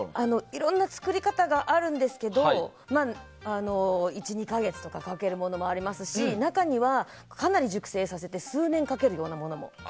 いろんな作り方があるんですが１２か月とかけるものもありますし中にはかなり熟成させて数年かけるようなものも。